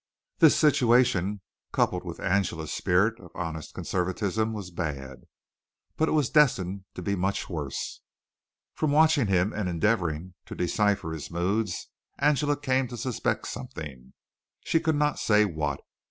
This situation, coupled with Angela's spirit of honest conservatism was bad, but it was destined to be much worse. From watching him and endeavoring to decipher his moods, Angela came to suspect something she could not say what.